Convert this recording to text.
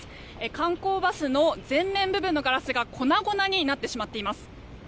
観光バスの前面部分のガラスが粉々になってしまっています。